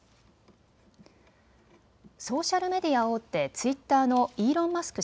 ソーシャルメディア大手、ツイッターのイーロン・マスク